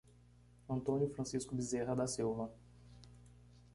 Antônio Francisco Bezerra da Silva